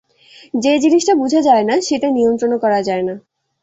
যে জিনিসটা বুঝা যায় না, সেটা নিয়ন্ত্রণও করা যায় না।